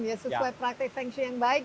sesuai praktik fengshui yang baik